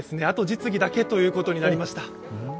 あと実技だけということになりました。